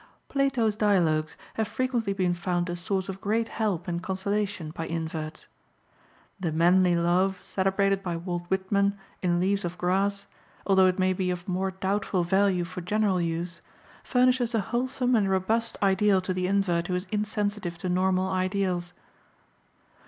Plato's Dialogues have frequently been found a source of great help and consolation by inverts. The "manly love" celebrated by Walt Whitman in Leaves of Grass, although it may be of more doubtful value for general use, furnishes a wholesome and robust ideal to the invert who is insensitive to normal ideals.